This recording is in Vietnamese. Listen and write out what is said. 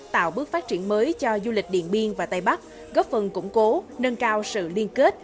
tạo bước phát triển mới cho du lịch điện biên và tây bắc góp phần củng cố nâng cao sự liên kết